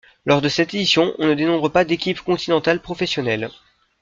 Lors de cette édition, on ne dénombre pas d'équipes continentales professionnelles.